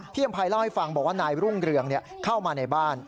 อำภัยเล่าให้ฟังบอกว่านายรุ่งเรืองเข้ามาในบ้าน